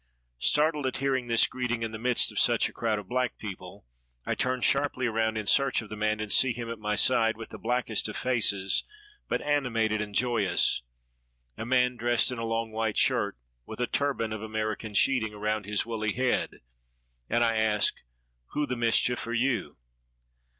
Startled at hearing this greeting in the midst of such a crowd of black people, I turn sharply around in search of the man, and see him at my side, with the blackest of faces, but animated and joyous — a man dressed in a 394 HOW I FOUND LIVINGSTONE long white shirt, with a turban of American sheeting around his woolly head, and I ask: — "Who the mischief are you?"